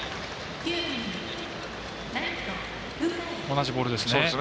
同じボールですね。